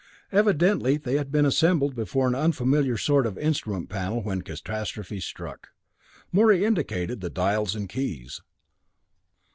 Evidently they had been assembled before an unfamiliar sort of instrument panel when catastrophe struck; Morey indicated the dials and keys.